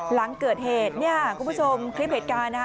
หลังเกิดเหตุคุณผู้ชมคลิปเหตุการณ์